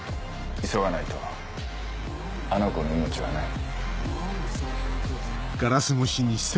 急がないとあの子の命はない。